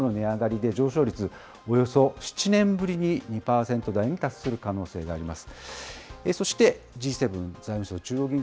エネルギー、食品などの値上がりで、上昇率、およそ７年ぶりに２％台に達する可能性があります。